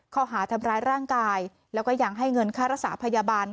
ข้อหาทำร้ายร่างกายแล้วก็ยังให้เงินค่ารักษาพยาบาล